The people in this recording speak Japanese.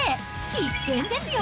必見ですよ。